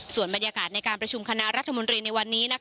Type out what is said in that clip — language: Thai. ส่วนบรรยากาศในการประชุมคณะรัฐมนตรีในวันนี้